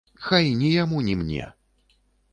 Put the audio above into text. Хай ні яму, ні мне!